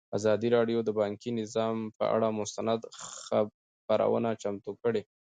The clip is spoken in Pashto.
ازادي راډیو د بانکي نظام پر اړه مستند خپرونه چمتو کړې.